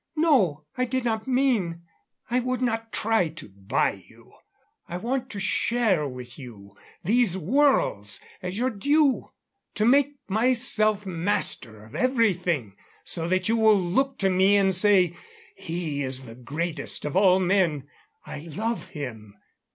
"No, I did not mean " "I would not try to buy you. I want to share with you these worlds as your due. To make myself master of everything, so that you will look to me and say, 'He is the greatest of all men I love him'....